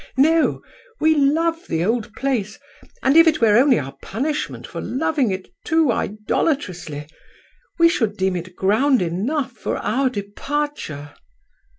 " No. We love the old place; and if it were only our punishment for loving it too idolatrously, we should deem it ground enough for our departure."